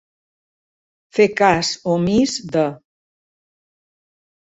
Fer cas omís de.